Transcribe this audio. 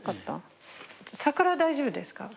桜は大丈夫です。